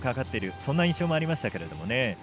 そんな印象もありましたね。